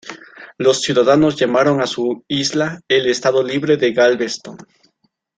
Los ciudadanos llamaron a su isla el "Estado libre de Galveston".